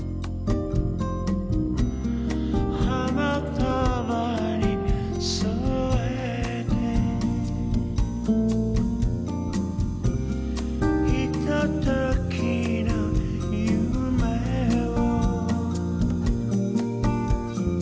「花束に添えて」「ひとときの夢を」